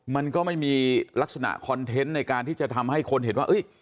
มันก็ไม่มีลักษณะคอนเทนต์ในการที่จะทำให้คนเห็นว่า